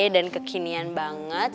dan kekinian banget